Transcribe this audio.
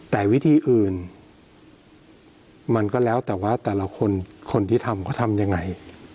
แต่วิธีอื่นมันก็แล้วแต่ว่าแต่ละคนคนที่ทำเขาทำยังไง